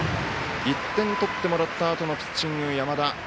１点取ってもらったあとのピッチング、山田。